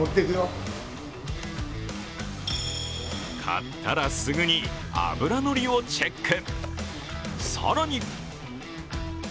買ったら、すぐに脂のりをチェック。